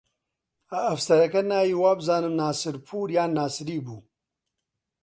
ئەفسەرەکە ناوی وابزانم ناسرپوور یان ناسری بوو